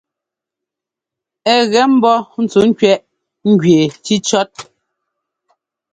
Ɛ gɛ mbɔ́ ntsúkẅiɛʼ njʉɛ́ cícíɔ́t.